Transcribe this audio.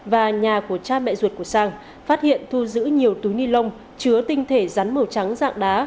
và nhà của cha mẹ ruột của sang phát hiện thu giữ nhiều túi ni lông chứa tinh thể rắn màu trắng dạng đá